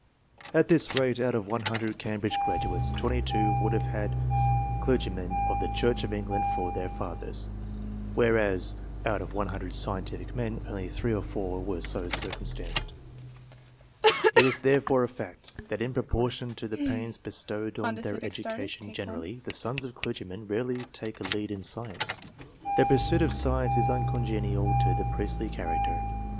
At this rate, out of 100 Cam bridge graduates, 22 would have had clergy men of the Church of England for their fathers, whereas out of 100 scientific men only 3 or 4 were so circumstanced. It is therefore a fact, that in proportion to the pains bestowed on their education generally, the sons of clergymen rarely take a lead in science. The pursuit of science is uncongenial to the priestly character.